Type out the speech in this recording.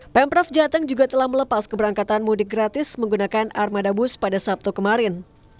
pemprov jateng juga telah melepas keberangkatan mudik gratis menggunakan armada bus pada sabtu kemarin